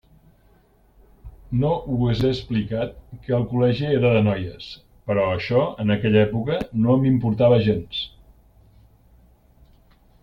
No us he explicat que el col·legi era de noies, però això en aquella època no m'importava gens.